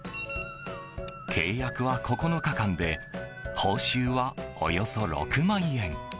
契約は、９日間で報酬はおよそ６万円。